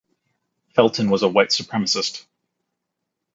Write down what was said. Felton was a white supremacist.